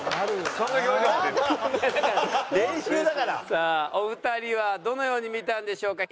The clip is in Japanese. さあお二人はどのように見たんでしょうか？